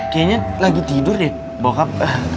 kayaknya lagi tidur deh bokap